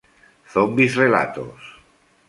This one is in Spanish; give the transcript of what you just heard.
Zombis Relatos